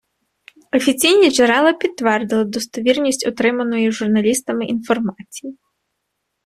Офіційні джерела підтвердили достовірність отриманої журналістами інформації